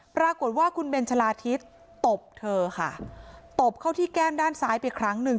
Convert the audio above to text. ปรากฏว่าคุณเบนชะลาทิศตบเธอค่ะตบเข้าที่แก้มด้านซ้ายไปครั้งหนึ่ง